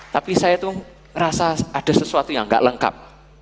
tapi saya itu ngerasa ada sesuatu yang nggak lengkap